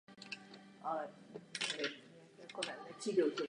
První představení veřejnosti proběhlo na čtvrtém mezinárodním veletrhu v Brně.